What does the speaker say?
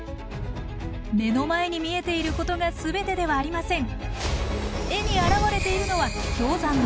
目の前に見えていることが全てではありません！